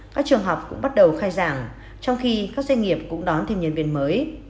các trường học cũng bắt đầu khai giảng trong khi các doanh nghiệp cũng đón thêm nhân viên mới